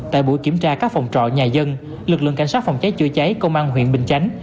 tại buổi kiểm tra các phòng trọ nhà dân lực lượng cảnh sát phòng cháy chữa cháy công an huyện bình chánh